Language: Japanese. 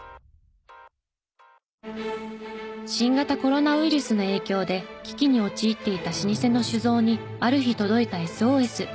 新型コロナウイルスの影響で危機に陥っていた老舗の酒造にある日届いたＳＯＳ。